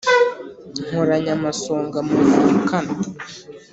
Nkoranya amasonga muvukana